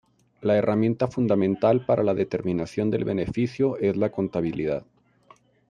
La herramienta fundamental para la determinación del beneficio es la contabilidad.